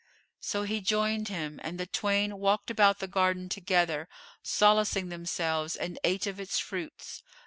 So he joined him and the twain walked about the garden together solacing themselves and ate of its fruits.